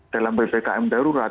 dalam bpkm darurat